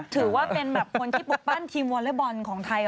ถือว่าเป็นแบบคนที่ปลุกปั้นทีมวอเล็กบอลของไทย